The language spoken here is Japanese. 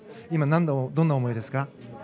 今、どんな思いですか？